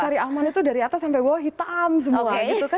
cari aman itu dari atas sampai bawah hitam semua